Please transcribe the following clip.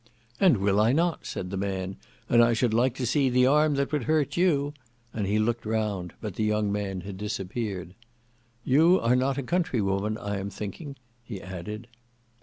"And will I not?" said the man; "and I should like to see the arm that would hurt you;" and he looked round, but the young man had disappeared. "You are not a countrywoman I am thinking," he added.